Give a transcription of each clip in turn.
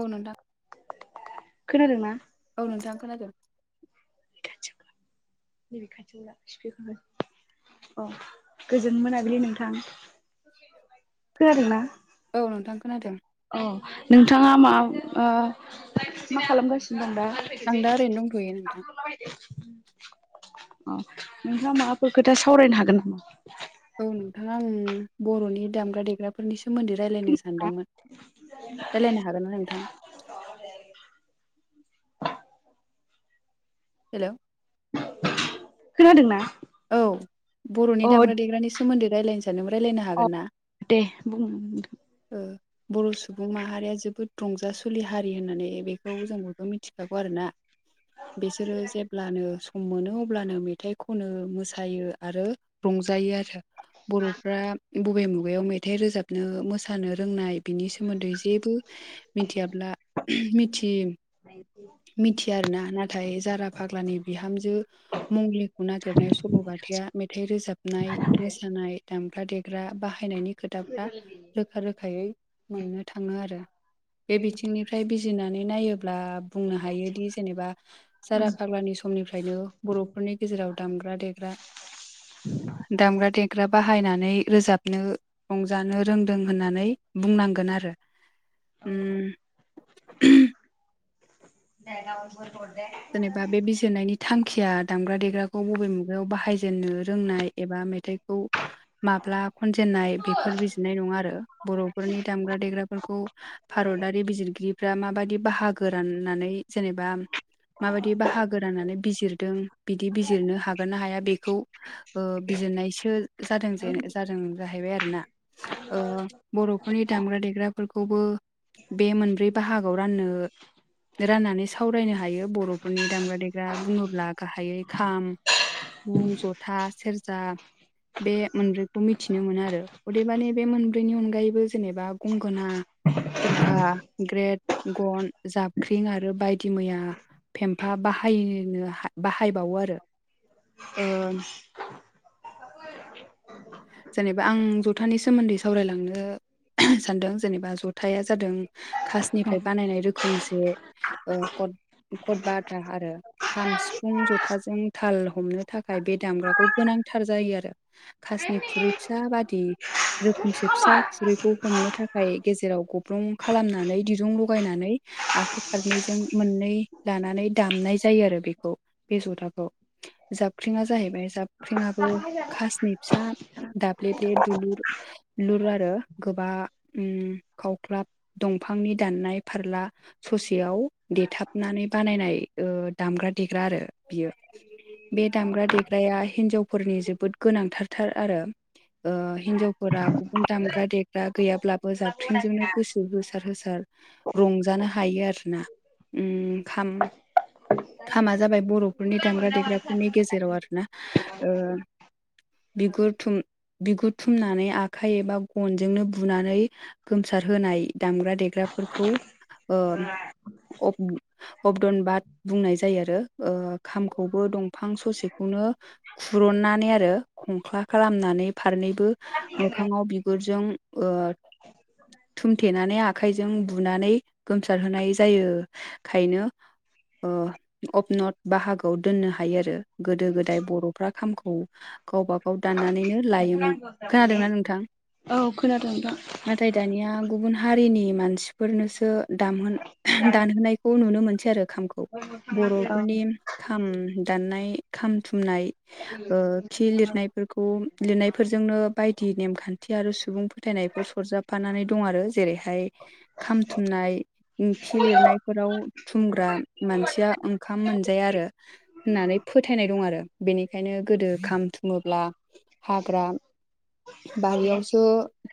औ नोंथां। खोनादोंना? औ नोंथां खोनादों। [unintelligible] औ गोजोन मोनाबिलि नोंथां। खोनादोंना? औ नोंथां खोनादों। अ नोंथाङा मा ओ मा खालामगासिनो दं दा? आं दा ओरैनो दंथयो नोंथां। औ नोंथाङा माबाफोर खोथा सावरायनो हागोन नामा? औ नोंथाङा आं बर'नि दामग्रा देग्रा फोरनि सोमोन्दै रायज्लायनो सानदोंमोन। रायज्लायनो हागोन ना नोंथां? [unintelligible] हेलौ खोनादोंना? औ बर'नि अ दामग्रा देग्रानि सोमोन्दै रायज्लायनो नों रायलायनो हागोन अ ना। दे बुं नोंथां। औ बर' सुबुं माहारिया जोबोद रंजासुलि हारि होननानै बेखौ जों बयबो मिथिखागौ आरोना। बिसोरो जेब्लानो सम मोनो अब्लानो मेथाइ खनो मोसायो आरो रंजायो आरो बर'फ्रा बबे मुगायाव मेथाइ रोजाबनो मोसानो रोंनाय बिनि सोमोन्दै जेबो मिथियाब्ला मिथि [inaudible] मिथिया आरोना नाथाय जारा फाग्लानि बिहामजो मंलिखौ नागिरनाय सल'बाथाया मेथाइ रोजाबनाय मोसानाय दामग्रा देग्रा बाहायनायनि खोथाफ्रा रोखा रोखायै मोननो थाङो आरो बे बिथिंनिफ्राय बिजिरनानै नायोब्ला बुंनो हायोदि जेनेबा सारा फाग्लानि समनिफ्रायनो बर'फोरनि गेजेराव दामग्रा देग्रा दामग्रा देग्रा बाहायनानै रोजाबनो रंजानो रोंदों होननानै बुंनांगोन आरो उम [unintelligible] फेजेननायनि थांखिया दामग्रा देग्राखौ बबे मुगायाव बाहायजेननो रोंनाय एबा मेथाइखौ माब्ला खनजेनन्नाय बेफोर बिजिरनाय नङा आरो बर'फोरनि दामग्रा देग्राफोरखौ भारतारि बिजिरगिरिफ्रा माबायदि बाहागो राननानै जेनेबा माबायदि बाहागो राननानै बिजिर बिदि बिजिरनो हा हागारनो हाया बेखौ ओ बिजोरनायसो जादों जादों जाहैबाय आरोना ओ बर'फोरनि दामग्रा देग्राफोरखौबो बे मोनब्रै बाहागोआव राननो राननानै सावरायनो हायो। बर'फोरनि दामग्रा देग्रा बुङोब्ला गाहायै खाम सिफुं जथा सेरजा बे मोनब्रैखौ मिथिनो मोनो आरो अदेबानि बे मोनब्रैनि अनगायैबो जेनेबा गंगोना थरखा ग्रेट गन जाबख्रिं आरो बायदि मैया फेम्फा बाहायनो बाहायबावो आरो ओ जेनेबा आं जथानि सोमोन्दै सावरायलांनो सानदों जेनेबा जथाया जादों खासनिफ्राय बानायनाय रोखोमसे ओ कट कट बाथा आरो [unintelligible] खाम सिफुं जथाजों थाल हमनो थाखाय बे दामग्राखौ गोनांथार जायो आरो। खासनि खुरै फिसा बादि रोखोमसे फिसा खुरैखौ हमनो थाखाय गेजेराव गब्रं खालामनानै दिरुं लगायनानै आखाइ फारनैजों मोननै लानानै दामनाय जायो आरो बेखौ बे जथाखौ जाबख्रिङा जाहैबाय जाबख्रिङाबो खासनि फिसा दाब्ले ले दुलुर दुलुर आरो गोबां ओ खावख्लाब दंफांनि दाननाय फारला ससेयाव देथाबनानै बानायनाय दामग्रा देग्रा आरो बियो बे दामग्रा देग्राया हिनजावफोरनि जोबोद गोनांथार थार आरो। हिन्जावफोरा गुबुन दामग्रा देग्रा गैयाब्लाबो जाबख्रिंजोंनो गोसो होसार होसार रंजानो हायो आरोना उम खाम खामा जाबाय बर'फोरनि दामग्रा देग्राफोरनि गेजेराव आरोना ओ बिगुरथुम बिगुर थुमनानै आखाइ एबा गनजोंनो बुनानै गोमसार होनाय दामग्रा देग्राफोरखौ अबदन बाद बुंनाय जायो आरो खामखौबो दंफां ससेखौनो खुरुननानै आरो खंख्ला खालामनानै फारनैबो मोखाङाव बिगुरजों ओ थुमथेनानै आखाइजों बुनानै गोमसारहोनाय जायो। खायनो औ अपनथ बाहागोआव दोननो हायो आरो गोदो गोदाय बर'फ्रा खामखौ गावबा गाव दाननानैनो लायोमोन खोनादोंना नोंथां? औ खोनादों नोंथां नाथाय दानिया गुबुन हारिनि मानसिफोरनोसो दामहोनो दानहोनायखौ नुनो मोनसै आरो खामखौ औ बर'फोरनि खाम दाननाय खाम थुमनाय लिरनायफोरखौ लिरनायफोरजोंनो बायदि नेमखान्थि आरो सुबुं फोथायनायफोर सरजाब खाफानानै दं आरो जेरैहाय खाम थुननाय ओंखि लिरनायफोराव थुमग्रा मानसिया ओंखाम मोनजाया आरो। होननानै फोथायनाय दं आरो बेनिखायनो गोदो ओं खाम थुमोब्ला हाग्रा बारियावसो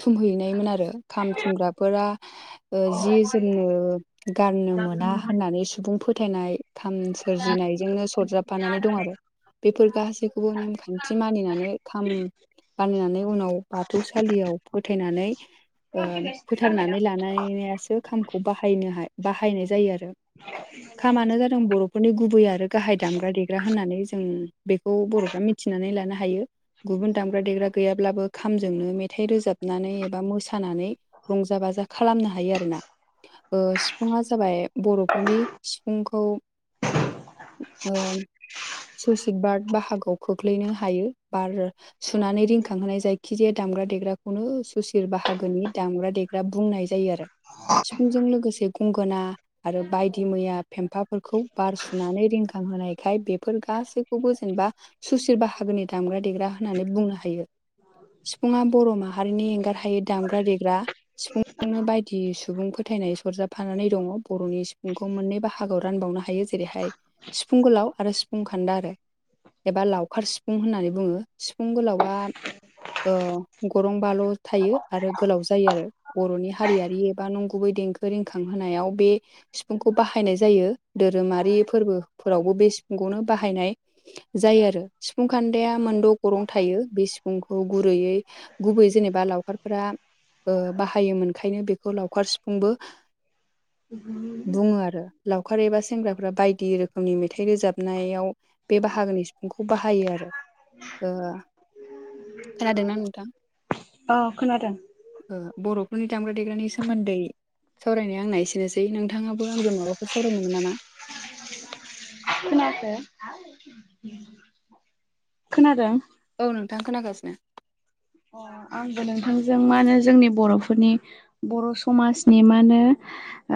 थुमहैनायमोन आरो खाम थुमग्राफोरा। ओ जि जोमनो गारनो मोना होननानै सुबुं फोथायनाय खाम सोरजिनायजोंनो सरजाबफानानै दं आरो। बेफोर गासैखौबो नेम खान्थि मानिनानै खाम बानिनानै उनाव बाथौसालियाव फोथायनानै ओ फोथारनानै लानायासो खामखौ बाहायनो हा बाहायनाय जायो आरो। खामानो जादों बर'फोरनि गुबै आरो गाहाय दामग्रा देग्रा होननानै जों बेखौ बर'फ्रा मिथ थिनानै लानो हायो। गुबुन दामग्रा देग्रा गैयाब्लाबो खामजोंनो मेथाइ रोजाबनानै एबा मोसानानै रंजा बाजा खालामनो हायो आरोना। ओ सिफुङा जाबाय बर'फोरनि सिफुंखौ सुसित बार्ट बाहागोआव खोख्लैनो हायो बार सुनानै रिंखांहोनाय जायखिजाया दामग्रा देग्राखौनो सुसिल बाहागोनि दामग्रा देग बि बुंनाय जायो आरो सिफुंजों लोगोसे गंगोना आरो बायदि मैया फेम्फाफोरखौ बार सुनानै रिंखां होनोनायखाय बेफोर गासैखौबो जेनेबा सुसिर बाहागोनि दामग्रा देग्रा होननानै बुंनो हायो। सिफुंङा बर' माहारिनि एंगार हायै दामग्रा देग्रा। सिफुंजोंनो बायदि सुबुं फोथायनाय सरजाबफानानै दङ बर'नि सिफुंखौ मोननै बाहागोआव रानबावनो हायो जे जेरैहाय सिफुं गोलाव आरो सिफुं खान्दा आरो। एबा लावखार सिफुं होननानै बुङो सिफुं गोलावा ओ गरं बाल' थायो आरो गोलाव जायो आरो। बर'नि हारियारि एबा नंगुबै देंखो रिंखांहोनायाव बे सिफुंखौ बाहायनाय जायो धोरोमारि फोरबोफोरावबो बे सिफुंखौनो बाहायनाय जायो आरो सिफुं खान्दाया मोनद' गरं थायो बे सिफुंखौ गुरैयै गुबै जेनेबा लावखारफोरा बाहायोमोनखायनो बेखौ लावखार सिफुंबो [unintelligible] बुङो आरो लावखार एबा सेंग्राफ्रा बायदि रोखोमनि मेथाइ रोजाबनायाव बे बाहागोनि बिफुंखौ बाहायो आरो ओ खोनादोंना नोंथां? ओ खोनादों। ओ बर'फोरनि दामग्रा देग्रानि सोमोन्दै सावरायनाया आंना एसेनोसै नोंथाङाबो आंजों माबाफोर सावरायनोमोन नामा? खोनादों। औ नोंथां खोनागासिनो। अ आंबो नोंथांजों मा होनो जोंनि बर'फोरनि बर' समाजनि मानो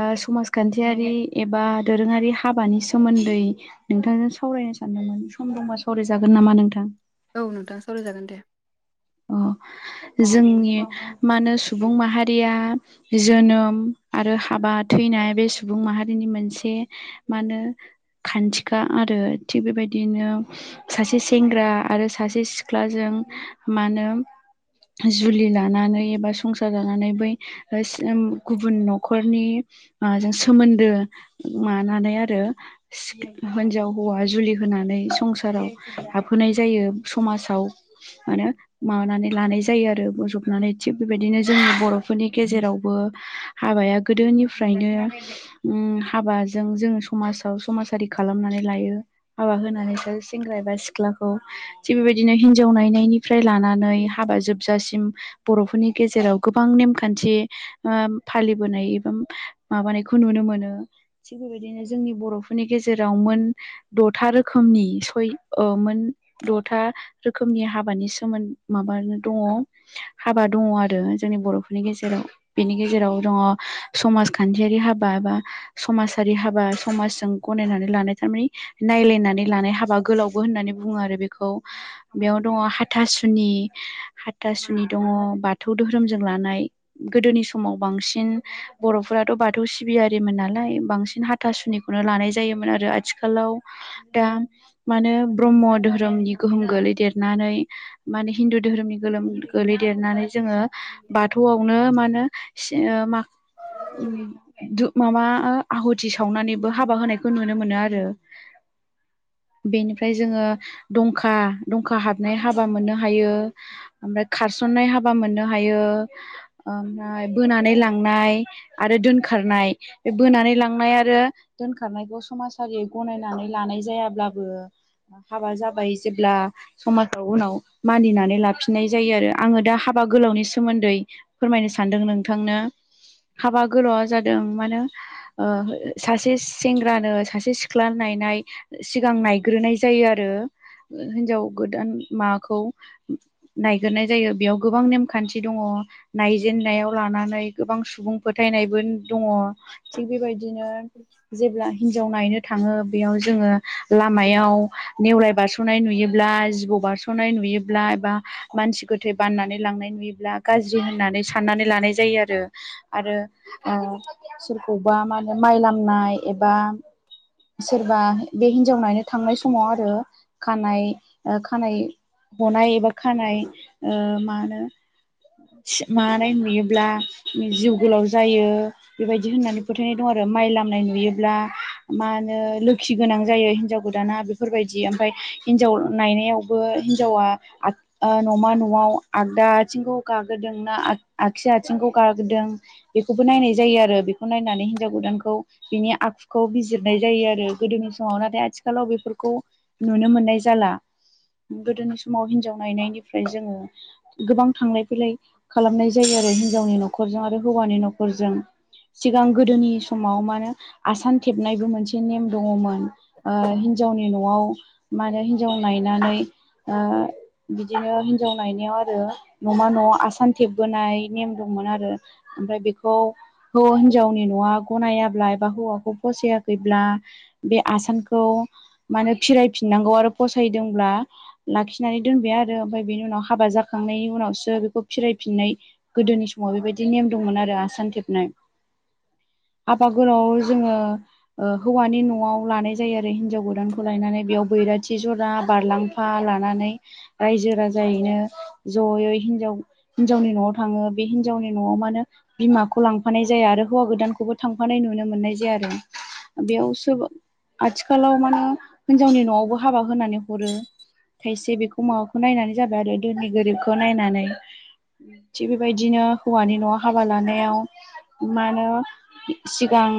ओ समाजखान्थियारि एबा दोरोङारि हाबानि सोमोन्दै नोंथांजों सावरायनो सानदोंमोन सम दंबा सावरायजागोन नामा नोंथां? औ नोंथां सावरायजागोन दे। अ जोंनि मा होनो सुबुं माहारिया जोनोम आरो हाबा थैनाय बे सुबुं माहारिनि मोनसे मा होनो खान्थिखा आरो थिग बेबायदिनो सासे सेंग्रा आरो सासे सिख्लाजों मा होनो जुलि लानानै एबा संसार जानानै बै होस ओम गुबुन न'खरनि माजों सोमोन्दो मानानै आरो हिनजाव हौवा जुलि होनानै संसाराव हाबहोनाय जायो समाजाव माने माबानानै लानाय जायो आरो बजबनानै थिग बेबायदिनो जोंनि बर'फोरनि गेजेरावबो हाबाया गोदोनिफ्रायनो उम हाबाजों जोङो समाजाव समाजारि खालामनानै लायो। हाबा होनानैसो सेंग्रा एबा सिख्लाखौ थिग बेबायदिनो हिनजाव नायनायनि फ्राय लानानै हाबा जोबजासिम बर'फोरनि गेजेराव गोबां नेमखान्थि ओ फालिबोनाय एबा माबानायखौ नुनो मोनो ‌। थिग बेबायदिनो जोंनि बर'फोरनि गेजेरावमोन दथा रोखोमनि सय ओ मोन द'था रोखोमनि हाबानि स मोन माबानो दङ हाबा दङ आरो जोंनि बर'फोरनि गेजेराव। बेनि गेजेराव दङ समाजखान्थियारि हाबा बा समाजारि हाबा समाजजों गनायनानै लानाय थारमानि नायलायनानै लानाय हाबा गोलावबो होननानै बुङो आरो बेखौ। बेयाव दङ हा थासुनि हाथासुनि दङ बा थौ धोरोमजों लानाय गोदोनि समाव बांसिन बर'फोराथ' बाथौ सिबियारिमोन नालाय बांसिन हाथासुनिखौनो लानाय जायोमोन आरो। आथिखालाव दा मानो ब्रह्म धोरोमनि गोहोम गोलैदेरनानै माने हिन्दु दोहोरोमनि गोलोम गोलैदेरनानै जोङो बाथौआवनो मानो सि ओ मा दु माबा आहु थि सावनानैबो हाबा होनायखौ नुनो मोनो आरो। बेनिफ्राय जोङो दंखा दंखा हाबनाय हा हाबा मोननो हायो ओमफ्राय खारसन्नाय हाबा मोननो हायो। ओमफ्राय बोनानै लांनाय आरो दोनखारनाय। बोनानै लांनाय आरो दोनखारनायखौ समाजारियै गनायनानै लानाय जायाब्लाबो हाबा जाबाय जेब्ला समा उनाव मानिनानै लाफिननाय जायो आरो आङो दा हाबा गोलावनि सोमोन्दै फोरमायनो सानदों नोंथांनो हाबा गोल' जादों मानो ओ सासे सेंग्रानो सासे सिख्ला नायनाय सिगां नायग्रोनाय जायो आरो हिन्जाव गोदान माखौ। नायगोरनाय जायो बेयाव गोबां नेमखान्थि दङ। नायजेननायाव लानानै गोबां सुबुं फोथायनायबो दङ। थिग बेबायदिनो जेब्ला हिनजाव नायनो थाङो बेयाव जोङो लामायाव नेवलाय बारस'नाय नुयोब्ला जिबौ बारस' [unintelligible] नुयोब्ला एबा मानसि गोथै बाननानै लांनाय नुयोब्ला गाज्रि होननानै साननानै लानाय जायो आरो। आरो ओ सोरखौबा मा होनो माइ लामनाय एबा सोरबा बे हिन्जाव नायनो थांनाय समाव आरो खानाय ओ खानाय ह'नाय एबा खानाय ओ मा होनो सि मानाय नुयोब्ला जिउ गोलाव जायो। बेबायदि होननानै फोथायनाय दं आरो माइ लामनाय नुयोब्ला मानो लोखि गोनां जायो हिनजाव गोदाना बेफोरबायदि ओमफाय हिन्जाव नायनायावबो हिनजावा आ ओ न'मा न'आव आगदा आथिंखौ गागोरदों ना आ आगसि आथिंखौ गागोरदों बिखौबो नायनाय जायो आरो। बेखौ नायनानै हिनजाव गोदानखौ बिनि आखुखौ बिजिरनाय जायो आरो गोदोनि समाव नाथाय आथिखालाव बेफोरखौ नुनो मोननाय जाला। गोदोनि समाव हिनजाव नायनायनिफ्राय जोङो गोबां थांलाय-फैलाय खालामनाय जायो आरो हिनजावनि न'खरजों आरो हौवानि न'खरजों। सिगां गोदोनि समाव मानो आसान थेबनायबो मोनसे नेम दङमोन। ओ हिनजावनि न'आव मानो हिनजाव नायनानै ओ बिदिनो हिनजाव नायनायाव आरो न'मा न' आसान थेबबोनाय नेम दंमोन आरो। ओमफाय बेखौ हो हिनजावनि न'आ ग'नायाब्ला एबा हौवाखौ फसायाखैब्ला बे आसानखौ मानो फिरायफिननांगौ आरो फसायदोंब्ला लाखिनानै दोनबाय आरो ओमफाय बेनि उनाव हाबा जाखांनायनि उनावसो बेखौ फिरायफिननाय गोदोनि समाव बेबायदि नेम दंमोन आरो आसान थेबनाय। हाबा गोलाआव जोङो ओ हौवानि न'आव लानाय जायो आरो हिनजाव गोदानखौ लायनानै बेयाव बैराथि ज'रा बारलांफा ला लानानै रायजो-राजायैनो ज'यै हिनजाव हिनजावनि न'आव थाङो बे हिन्जावनि न'आव मानो बिमाखौ लांफानाय जाया आरो हौवा गोदानखौबो थांफानाय नुनो मोननाय जाया आरो। बेयाव सोरबा आथिखालाव माने हिन्जावनि न'आवबो हाबा होनानै हरो। खायसे बेखौ माबाखौ नायनानै जाबाय आरो दोनि गोरिबखौ नायनानै। थिग बेबायदिनो हौवानि न'आव हाबा लानायाव मानो सिगां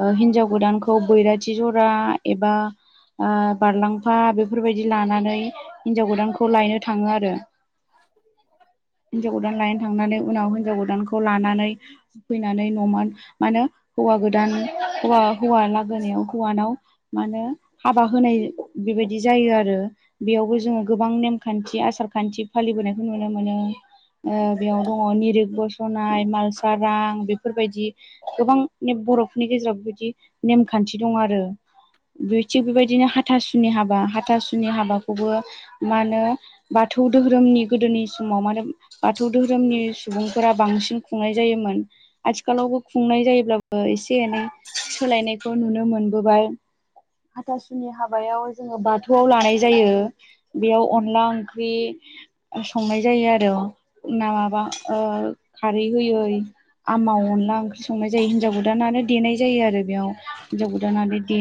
ओ हिनजाव गोदानखौ बैराथि ज'रा एबा ओ बारलांफा बेफोरबायदि लानानै हिनजाव गोदानखौ लायनो थाङो आरो हिनजाव गोदान लायनो थांनानै उनाव हिनजाव गोदानखौ लानानै फैनानै न'मोन मानो हौवा गोदान हौवा हौवा लागोनायाव हौवानाव मानो हाबा होनाय बेबायदि जायो आरो। बेयावबो जोङो गोबां नेमखान्थि आसारखान्थि फालिबोनायखौ नुनो मोनो। ओ बेयाव दङ निरिक बस'नाय मालसारां बेफोरबायदि गोबां बर'फोरनि गेजेराव बेफोरबायदि नेमखान्थि दं आरो। बे थिग बेबायदिनो हाथासुनि हाबा हाथासुनि हाबाखौबो मानो बाथौ दोहोरोमनि गोदोनि समाव मानो बाथौ दोहोरोमनि सुबुंफोरा बांसिन खुंनाय जायोमोन। आथिखालावबो खुंनाय जायोब्लाबो एसे एनै सोलायनायखौ नुनो मोनबोबाय। हाथासुनि हाबायाव जोङो बाथौआव लानाय जायो। बेयाव अनला ओंख्रि संनाय जायो आरो ना माबा ओ खारै होयै आमाव अनला ओंख्रि संनाय जायो हिनजाव गोदानानो देनाय जायो आरो बेयाव हिनजाव गोदाना बे दे